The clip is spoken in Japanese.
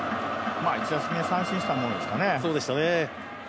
１打席目、三振したやつですね。